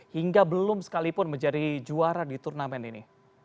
hingga belum sekalipun menjadi juara di turnamen ini